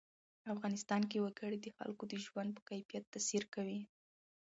افغانستان کې وګړي د خلکو د ژوند په کیفیت تاثیر کوي.